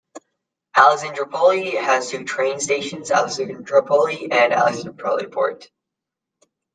Alexandroupoli has two train stations: Alexandroupoli and Alexandroupoli Port.